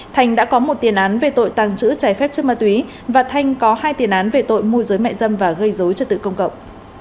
thanh đã có một tiền án về tội tàng trữ trái phép chất ma túy và thanh có hai tiền án về tội mua giới mẹ dâm và gây dối cho tự công cộng